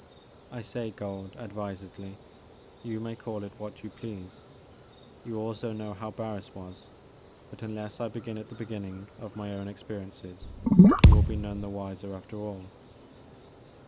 I say gold, advisedly. You may call it what you please. You also know how Barris was — ^but unless I begin at the beginning of my own experiences you will be none the wiser after all.